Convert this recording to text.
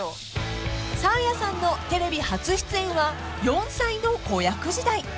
［サーヤさんのテレビ初出演は４歳の子役時代］